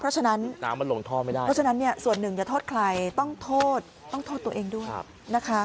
เพราะฉะนั้นส่วนหนึ่งอย่าโทษใครต้องโทษตัวเองด้วยนะคะ